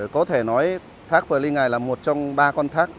có thể nói thác peli ngai là một trong ba con thác